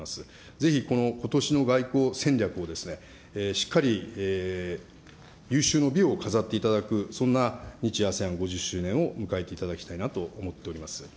ぜひこのことしの外交戦略をしっかり有終の美を飾っていただく、そんな日・ＡＳＥＡＮ５０周年を迎えていただきたいなと思っております。